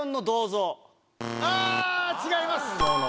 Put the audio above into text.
あ！違います。